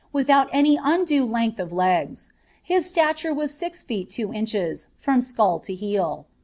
w^ out any undue length of legi ; his stature was six feet two rorbv, &■• skull to heel.